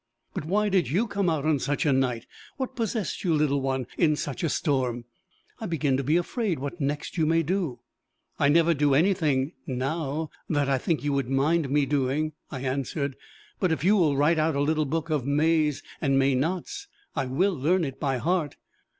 "But why did you come out on such a night? What possessed you, little one in such a storm? I begin to be afraid what next you may do." "I never do anything now that I think you would mind me doing," I answered. "But if you will write out a little book of mays and maynots, I will learn it by heart."